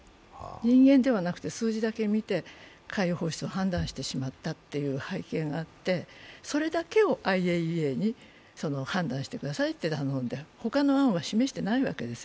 人間ではなくて数字だけ見て海洋放出を判断してしまったという背景があってそれだけをＩＡＥＡに判断してくださいって頼んでほかの案は示していないわけです。